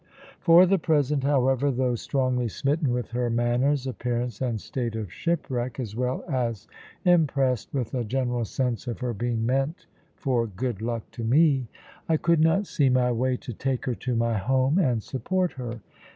For the present, however (though strongly smitten with her manners, appearance, and state of shipwreck, as well as impressed with a general sense of her being meant for good luck to me), I could not see my way to take her to my home and support her.